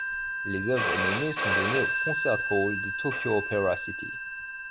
Les œuvres nommées sont données au Concert Hall de Tokyo Opéra City.